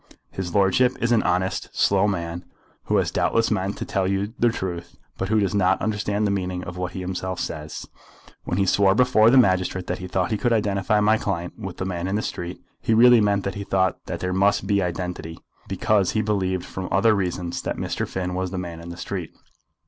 "His lordship is an honest, slow man, who has doubtless meant to tell you the truth, but who does not understand the meaning of what he himself says. When he swore before the magistrate that he thought he could identify my client with the man in the street, he really meant that he thought that there must be identity, because he believed from other reasons that Mr. Finn was the man in the street.